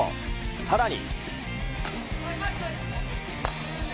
さらに。